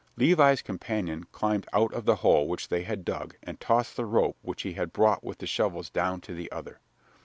Levi's companion climbed out of the hole which they had dug and tossed the rope which he had brought with the shovels down to the other.